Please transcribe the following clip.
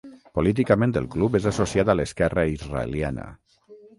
Políticament el club és associat a l'esquerra israeliana.